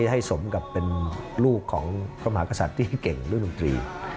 ให้สมกับเป็นลูกของพระมหากษัตริย์ที่เก่งเรื่องดนตรี